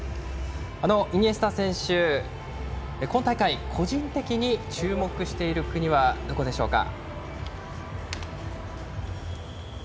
イニエスタ選手、今大会個人的に注目している国はどこでしょうか？